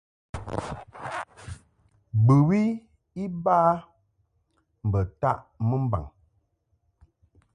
Bɨwi iba mbə taʼ mɨmbaŋ.